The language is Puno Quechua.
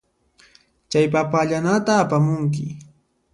Chay papa allanata apamunki.